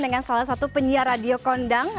dengan salah satu penyiar radio kondang